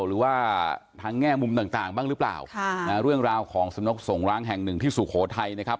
หรือว่าทั้งแง่มุมต่างบ้างหรือเปล่าค่ะนะเรื่องราวของสำนักส่งร้างแห่งหนึ่งที่สุโขทัยนะครับ